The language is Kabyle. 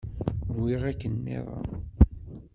Nwiɣ akken nniḍen.